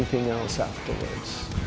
lebih dulu dari apa apa lain